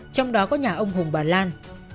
trong đó có nhà ông hùng bà lan